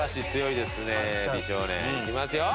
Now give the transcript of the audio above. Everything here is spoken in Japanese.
いきますよ。